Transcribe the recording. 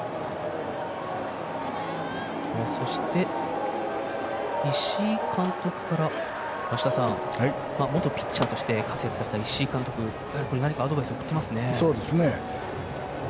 そして、石井監督から梨田さん、元ピッチャーとして活躍された石井監督何かアドバイスを送っていますね。